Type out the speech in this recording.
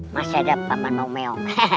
masih ada paman mau meong